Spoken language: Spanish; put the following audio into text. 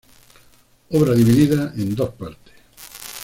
Obra dividida en dos partes.